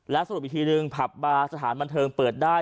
สรุปอีกทีหนึ่งผับบาร์สถานบันเทิงเปิดได้